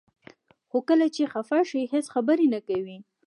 خو کله چې خفه شي هیڅ خبرې نه کوي.